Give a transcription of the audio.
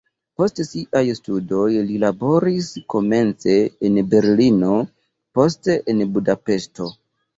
Post siaj studoj li laboris komence en Berlino, poste en Budapeŝto.